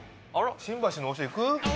新橋の王将行く？